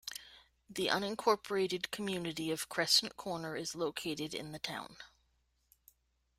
The unincorporated community of Crescent Corner is located in the town.